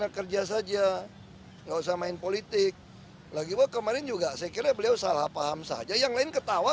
aku cuma ketawain dia aja yang lain ketawa